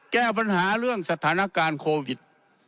แก้ปัญหาเรื่องสถานการณ์โควิด